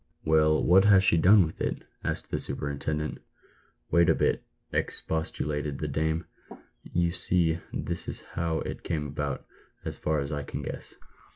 " Well, what has she done with it ?" asked the superintendent. "Wait a bit!" expostulated the dame; "you see this is how it came about, as far as I can guess.